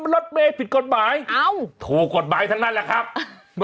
รถเมย์ผิดกฎหมายโทรกฎหมายทั้งนั้นแหละครับ